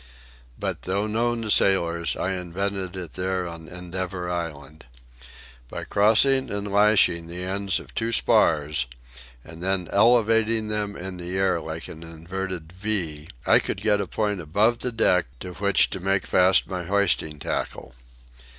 But, though known to sailors, I invented it there on Endeavour Island. By crossing and lashing the ends of two spars, and then elevating them in the air like an inverted "V," I could get a point above the deck to which to make fast my hoisting tackle.